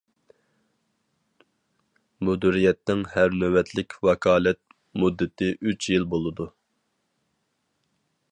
مۇدىرىيەتنىڭ ھەر نۆۋەتلىك ۋاكالەت مۇددىتى ئۈچ يىل بولىدۇ.